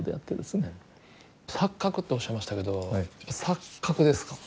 錯覚っておっしゃいましたけど錯覚ですか。